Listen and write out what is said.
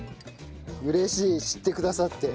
嬉しい知ってくださって。